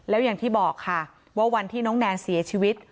แล้วอย่างที่บอกค่ะว่าวันที่น้องแนนเสียชีวิต